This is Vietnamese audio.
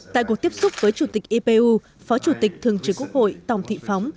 tại cuộc tiếp xúc với chủ tịch ipu phó chủ tịch thường trực quốc hội tòng thị phóng